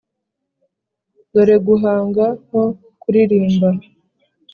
Dore guhanga nko kuririmba